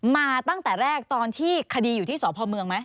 มาตั้งแต่แรกตอนที่คดีอยู่ที่สพเมืองไหม